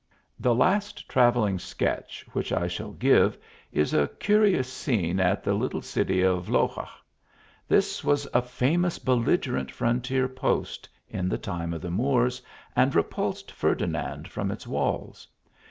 The last travelling sketch which I shall give is a curious scene at the little city of Loxa. This was a famous belligerent frontier post, in the time of the Moors, and repulsed Ferdinand from its walls.